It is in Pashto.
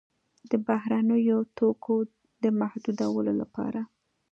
د بهرنیو توکو د محدودولو لپاره.